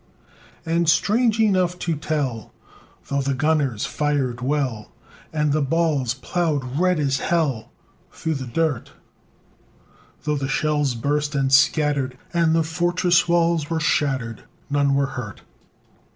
And strange enough to tell, Though the gunners fired well, And the balls ploughed red as hell Through the dirt; Though the shells burst and scattered, And the fortress walls were shattered, None were hurt.